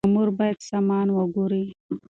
مامور بايد سامان وګوري.